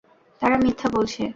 তারা মিথ্যা বলছে!